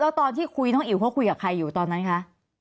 แล้วตอนที่คุยน้องอิ๋วเขาคุยกับใครอยู่ตอนนั้นคะ